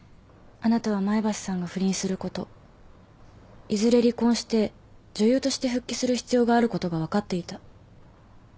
あなたは前橋さんが不倫することいずれ離婚して女優として復帰する必要があることが分かっていた。